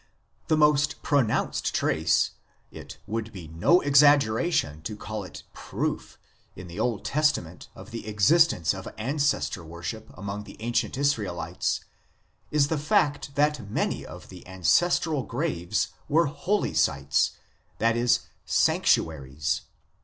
The most pronounced trace (it would be no exaggera tion to call it proof) in the Old Testament of the existence of Ancestor worship among the ancient Israelites is the fact that many of the ancestral graves were holy sites, i.e. sanctuaries.